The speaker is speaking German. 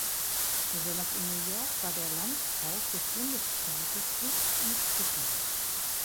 Besonders in New York war der Landkauf des Bundesstaates höchst umstritten.